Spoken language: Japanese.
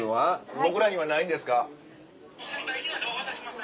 僕らにはないんですか？